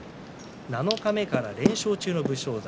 七日目から連勝中の武将山。